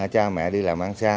cha mẹ đi làm ăn xa